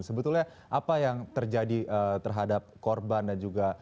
sebetulnya apa yang terjadi terhadap korban dan juga